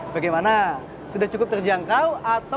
bagaimana sudah cukup terjangkau